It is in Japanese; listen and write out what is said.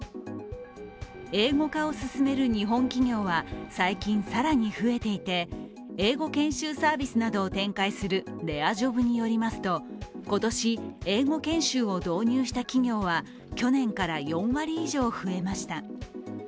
英語化を進める日本企業は最近更に増えていて、英語研修サービスなどを展開するレアジョブによりますと今年、英語研修を導入した企業は去年から４割以上増えました。